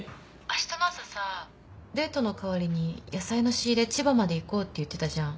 明日の朝さデートの代わりに野菜の仕入れ千葉まで行こうって言ってたじゃん。